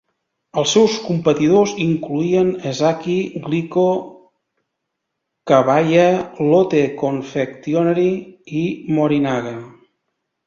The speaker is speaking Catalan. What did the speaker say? Els seus competidors incloïen Ezaki Glico, Kabaya, Lotte Confectionery i Morinaga.